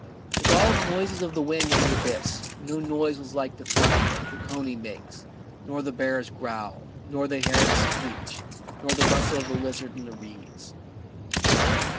With all the noises of the wind in the abyss, no noise was like the thump that the coney makes, nor the bear's growl, nor the heron's screech, nor the rustle of the lizard in the reeds.